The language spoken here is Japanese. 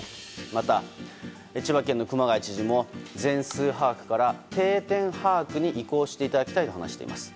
また、千葉県の熊谷知事も全数把握から定点把握に移行していただきたいと話しています。